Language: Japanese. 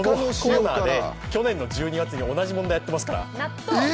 去年の１２月に同じ問題やってますから。